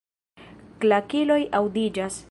Klakiloj aŭdiĝas.